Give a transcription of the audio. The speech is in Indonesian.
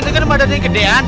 itu kan badannya gedean